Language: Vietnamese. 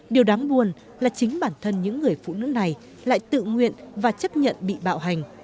điều đáng buồn là chính bản thân những người phụ nữ này lại tự nguyện và chấp nhận bị bạo hành